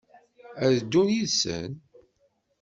Ad d-ddun yid-sen?